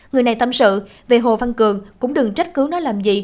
người này tâm sự về hồ văn cường cũng đừng trách cứu nó làm gì